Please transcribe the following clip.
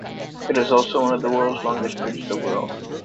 It is also one of the world's longest bridges overall.